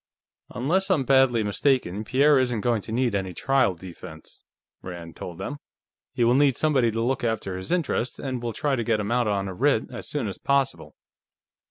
"Unless I'm badly mistaken, Pierre isn't going to need any trial defense," Rand told them. "He will need somebody to look after his interests, and we'll try to get him out on a writ as soon as possible."